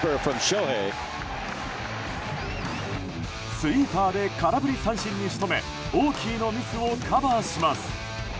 スイーパーで空振り三振に仕留めオーキーのミスをカバーします。